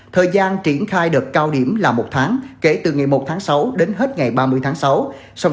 thời gian triển khai đợt cao điểm là một tháng kể từ ngày một tháng sáu đến hết ngày ba mươi tháng sáu